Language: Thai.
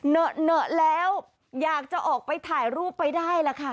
เหนอเหนอะแล้วอยากจะออกไปถ่ายรูปไปได้ล่ะค่ะ